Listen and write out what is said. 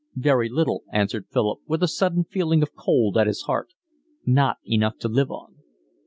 "Very little," answered Philip, with a sudden feeling of cold at his heart. "Not enough to live on."